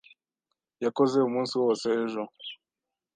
Yakoze umunsi wose ejo.